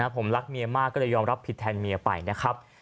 ผมรักเมียมากก็เลยยอมรับผิดแทนเมียไปนะครับ